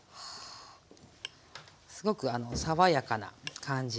すごく爽やかな感じで。